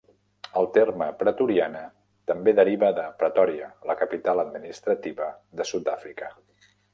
El terme "pretoriana" també deriva de Pretòria, la capital administrativa de Sudàfrica.